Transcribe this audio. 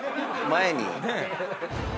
前に？